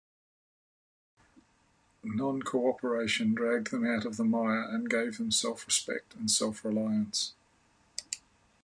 Non-cooperation dragged them out of the mire and gave them self-respect and self-reliance.